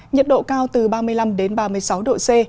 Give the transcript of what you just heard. nhiệt độ cao từ ba mươi năm đến ba mươi sáu độ c